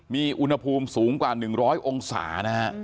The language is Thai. มีอุณหภูมิสูงกว่า๑๐๐องศานะฮะ